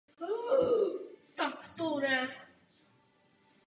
Jednou z příčin nenávisti je i strach.